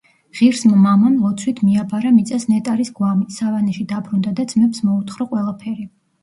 ღირსმა მამამ ლოცვით მიაბარა მიწას ნეტარის გვამი, სავანეში დაბრუნდა და ძმებს მოუთხრო ყველაფერი.